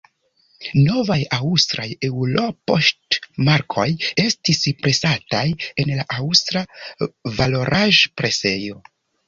Novaj aŭstraj eŭropoŝtmarkoj estis presataj en la Aŭstra Valoraĵpresejo.